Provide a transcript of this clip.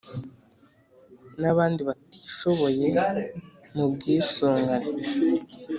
N abandi batishoboye mu bwisungane